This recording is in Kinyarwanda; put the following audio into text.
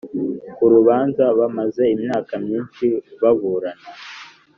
ku rubanza bamaze imyaka myinshi baburana.